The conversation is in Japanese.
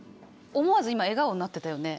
思わず今笑顔になってたよね。